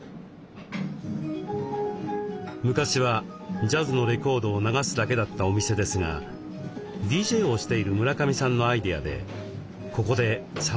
昔はジャズのレコードを流すだけだったお店ですがＤＪをしている村上さんのアイデアでここでさまざまなイベントも開催。